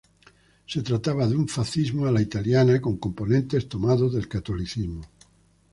Se trataba de un fascismo a la italiana con componentes tomados del catolicismo.